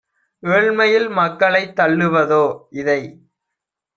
ஏழ்மையில் மக்களைத் தள்ளுவதோ? - இதை